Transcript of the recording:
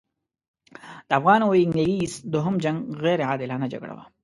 د افغان او انګلیس دوهم جنګ غیر عادلانه جګړه وه.